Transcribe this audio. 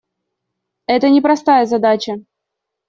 Это непростая задача.